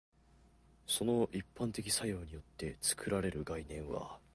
その一般化の作用によって作られる概念は、